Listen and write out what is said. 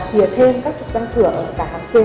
chìa thêm các trục răng cửa cả hàm trên